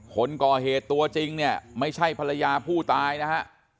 คนก่อเหตุตัวจริงเนี่ยไม่ใช่ภรรยาผู้ตายนะฮะ